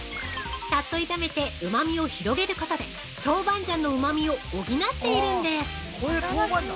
さっと炒めてうまみを広げることで豆板醤のうまみを補っているんです。